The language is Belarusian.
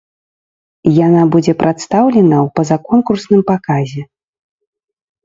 Яна будзе прадстаўлена ў пазаконкурсным паказе.